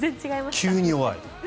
急に弱い。